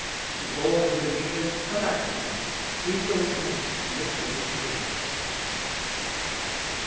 To all who believe it, and act upon it, He will make it literally true.